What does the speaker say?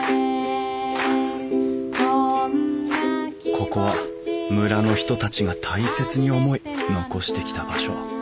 ここは村の人たちが大切に思い残してきた場所。